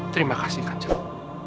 terima kasih kanjong